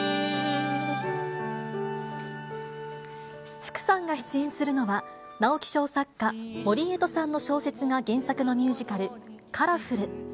福さんが出演するのは、直木賞作家、森絵都さんの小説が原作のミュージカル、カラフル。